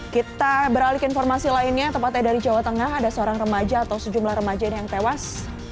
kita beralik informasi lainnya tempatnya dari jawa tengah ada seorang remaja atau sejumlah remaja yang tewas